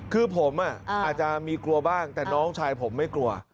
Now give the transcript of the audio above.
คือผมอาจจะมีกลัวบ้างแต่น้องชายผมไม่กลัว